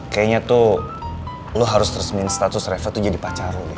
kayaknya tuh lo harus resmin status reva tuh jadi pacar lo wey